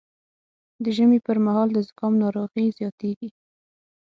د ژمي پر مهال د زکام ناروغي زیاتېږي